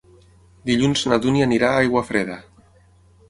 Dilluns na Dúnia anirà a Aiguafreda.